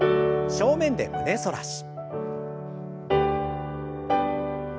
正面で胸反らし。